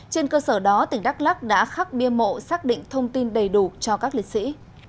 trên cơ sở đó tỉnh đắk lắc đã khắc bia mộ xác định thông tin đầy đủ cho các liệt sĩ